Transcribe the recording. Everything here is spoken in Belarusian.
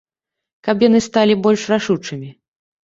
Каб яны сталі больш рашучымі.